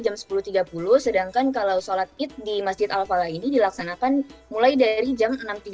jam sepuluh tiga puluh sedangkan kalau sholat id di masjid al falah ini dilaksanakan mulai dari jam enam tiga puluh